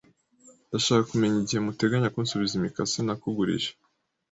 Ndashaka kumenya igihe muteganya kunsubiza imikasi nakugurije.